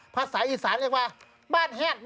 ภาษาอีสานเรียกว่าบ้านแฮด